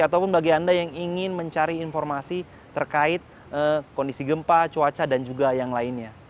ataupun bagi anda yang ingin mencari informasi terkait kondisi gempa cuaca dan juga yang lainnya